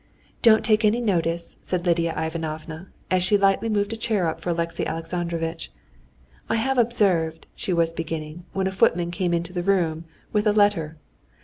"Don't take any notice," said Lidia Ivanovna, and she lightly moved a chair up for Alexey Alexandrovitch. "I have observed...." she was beginning, when a footman came into the room with a letter.